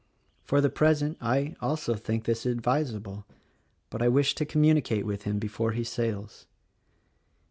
For the present, I. also, think this advisable; but I wish to communicate with him before he sails.